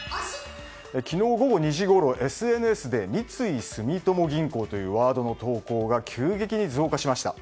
昨日午後２時ごろ、ＳＮＳで三井住友銀行というワードの投稿が急激に増加しました。